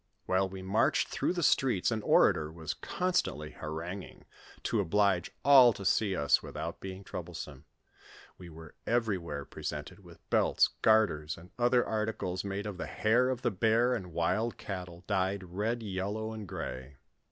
While we marched through the streets, an orator was constantly haranguing, to oblige all to see us without being troublesome; we were everywhere presented with belts, garters, and other articles made of the hair of the bear and wild cattle, dyed red, yellow, and gray.